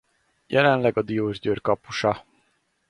Jelenleg a Diósgyőr kapusa.